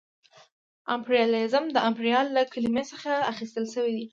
امپریالیزم د امپریال له کلمې څخه اخیستل شوې ده